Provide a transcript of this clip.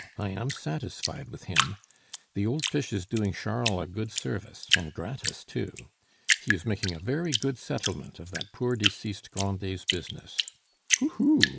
I am satisfied with him. The old fish is doing Charles a good service, and gratis too. He is making a very good settlement of that poor deceased Grandet's business. Hoo! hoo!"